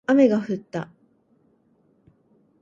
雨が降った